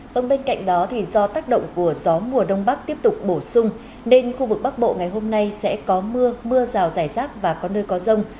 vâng bên cạnh đó thì do tác động của gió mùa đông bắc tiếp tục bổ sung nên khu vực bắc bộ ngày hôm nay sẽ có mưa mưa rào rải rác và có nơi có rông